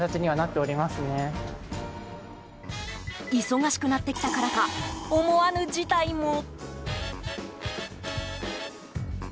忙しくなってきたからか思わぬ事態も。